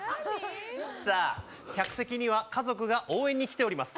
さあ、客席には応援に来ております。